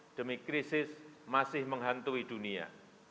demi krisis masih menghantui dunia